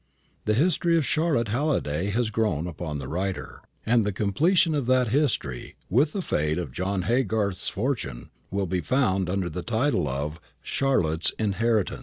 The history of Charlotte Halliday has grown upon the writer; and the completion of that history, with the fate of John Haygarth's fortune, will be found under the title of, CHARLOTTE'S INHERITANCE.